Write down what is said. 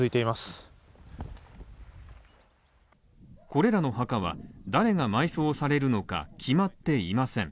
これらの墓は誰が埋葬されるのか決まっていません。